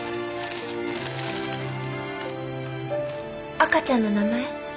赤ちゃんの名前？